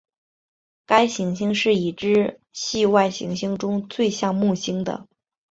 该行星是已知系外行星中最像木星的。